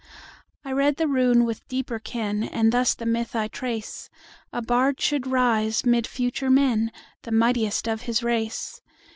I read the rune with deeper ken, And thus the myth I trace:—A bard should rise, mid future men, The mightiest of his race.